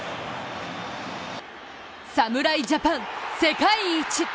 侍ジャパン、世界一。